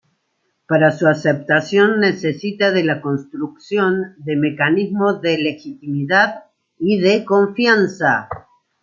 Para su aceptación necesita de la construcción de mecanismos de "legitimidad" y de "confianza".